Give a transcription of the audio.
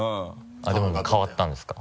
でも変わったんですか？